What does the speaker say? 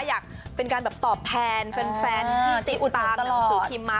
อยากเป็นการแบบตอบแทนแฟนที่ติอุตามหนังสือพิมพ์มา